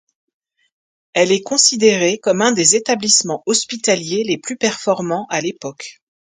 Elle est considérée comme un des établissements hospitaliers les plus performants à l'époque.